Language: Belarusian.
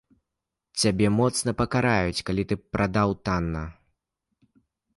Цябе моцна пакараюць, калі ты прадаў танна.